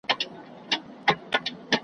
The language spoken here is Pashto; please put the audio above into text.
پر مزار مي زنګېدلی بیرغ غواړم .